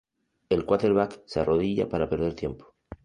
El quarterback se arrodilla para perder tiempo.